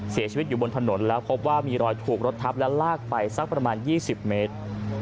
เสียชีวิตอยู่บนถนนแล้วพบว่ามีรอยถูกรถทับและลากไปสักประมาณ๒๐เมตร